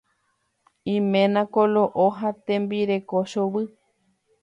Iména koloʼo ha tembireko chovy.